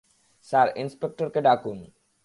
Sir, ইন্সপেক্টরকে ডাকুন।